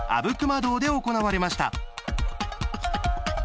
洞で行われました。